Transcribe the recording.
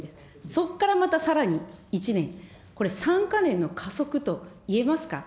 そこからまたさらに１年、これ３か年の加速といえますか。